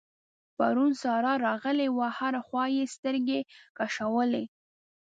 پرون سارا راغلې وه؛ هره خوا يې سترګې کشولې.